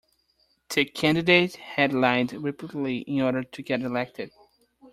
The candidate had lied repeatedly in order to get elected